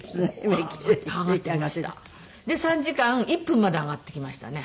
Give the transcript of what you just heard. で３時間１分まで上がってきましたね。